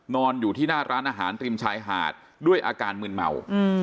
นอนอยู่ที่หน้าร้านอาหารริมชายหาดด้วยอาการมืนเมา